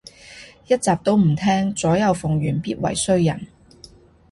一集都唔聼，左右逢源必為衰人